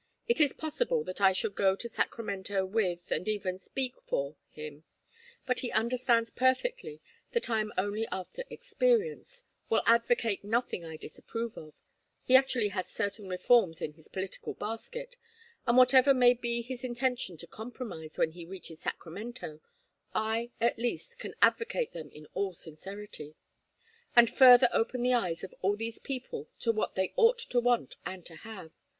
It is possible that I shall go to Sacramento with, and even speak for, him; but he understands perfectly that I am only after experience, will advocate nothing I disapprove of he actually has certain reforms in his political basket, and whatever may be his intention to compromise when he reaches Sacramento, I, at least, can advocate them in all sincerity; and further open the eyes of all these people to what they ought to want and to have.